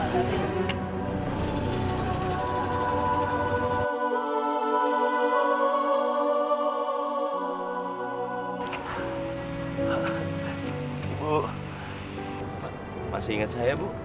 ibu masih ingat saya bu